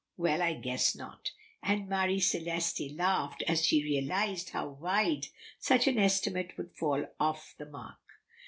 Well, I guess not;" and Marie Celeste laughed as she realized how wide such an estimate would fall of the mark.